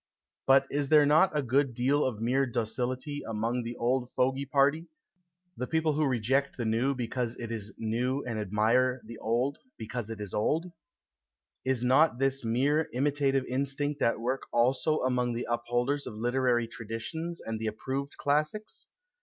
But is there not a good deal of mere docility among the old fogey 87 PASTICHE AND PREJUDICE party, the people who reject the new because it is new and admire the old because it is old ? Is not this mere imitative instinct at work also among the upholders of literary traditions and the approved classics